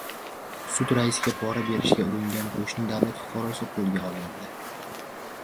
Sud raisiga pora berishga uringan qo‘shni davlat fuqarosi qo‘lga olindi